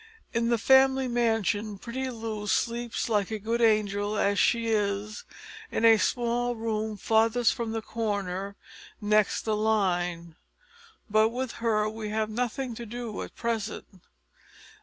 In the family mansion pretty Loo sleeps like a "good angel," as she is, in a small room farthest from the corner next the line, but with her we have nothing to do at present.